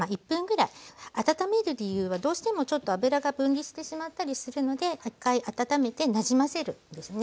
温める理由はどうしてもちょっと油が分離してしまったりするので一回温めてなじませるですね。